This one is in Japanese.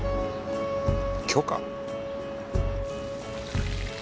許可？